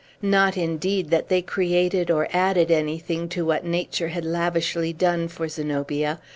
Not, indeed, that they created or added anything to what Nature had lavishly done for Zenobia.